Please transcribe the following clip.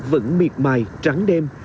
vẫn miệt mài trắng đêm